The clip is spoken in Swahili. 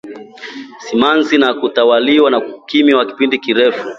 Simanzi na kutawaliwa na ukimya wa kipindi kirefu